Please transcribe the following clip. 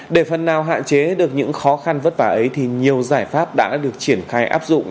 để phần nào hạn chế được những khó khăn vất vả ấy thì nhiều giải pháp đã được triển khai áp dụng